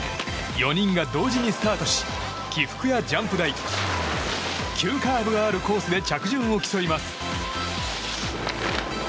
４人が同時にスタートし起伏やジャンプ台急カーブがあるコースで着順を競います。